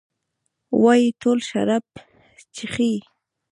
وايي ټول شراب چښي.